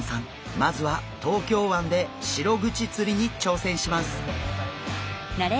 まずは東京湾でシログチ釣りに挑戦します！